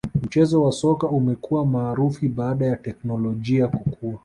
mchezo wa soka umekua maarufi baada ya teknolojia kukua